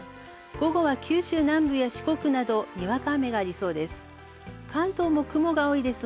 午後は、九州南部や四国など、にわか雨がありそうです。